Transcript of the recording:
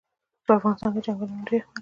په افغانستان کې چنګلونه ډېر اهمیت لري.